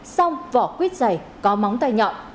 xong vỏ quyết giày có móng tay nhọn